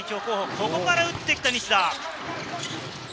ここから打ってきた、西田！